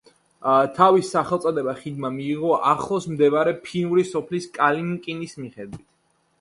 თავისი სახელწოდება ხიდმა მიიღო ახლოს მდებარე ფინური სოფლის კალინკინის მიხედვით.